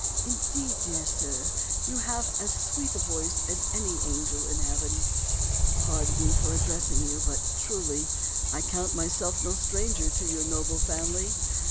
Indeed, dear sir, you have as sweet a voice as any angel in heaven. Pardon me for addressing you, but, truly, I count myself no stranger to your noble family.